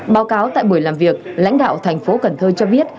báo cáo tại buổi làm việc lãnh đạo thành phố cần thơ cho biết